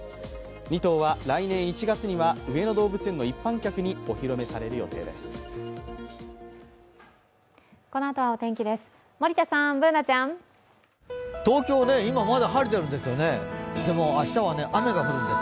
２頭は来年１月には上野動物園の一般客にお披露目される予定です。